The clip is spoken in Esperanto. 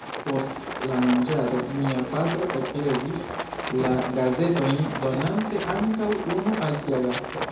Post la manĝado mia patro eklegis la gazetojn, donante ankaŭ unu al sia gasto.